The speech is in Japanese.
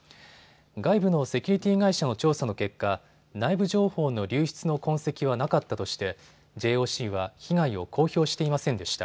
外部のセキュリティー会社の調査の結果、内部情報の流出の痕跡はなかったとしてＪＯＣは被害を公表していませんでした。